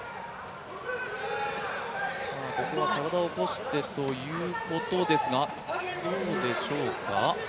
体を起こしてということですが、どうでしょうか？